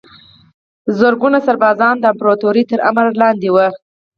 زرګونه سربازان د امپراتوریو تر امر لاندې وو.